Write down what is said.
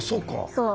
そう。